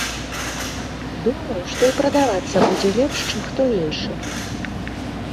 Думаю, што і прадавацца будзе лепш, чым хто іншы.